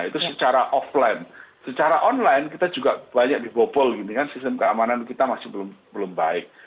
itu secara offline secara online kita juga banyak dibobol gitu kan sistem keamanan kita masih belum baik